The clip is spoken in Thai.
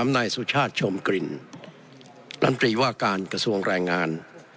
นายสุชาติชมกลิ่นลำตรีว่าการกระทรวงแรงงาน